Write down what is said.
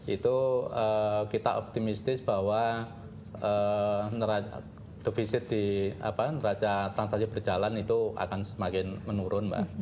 itu kita optimistis bahwa defisit di neraca transaksi berjalan itu akan semakin menurun mbak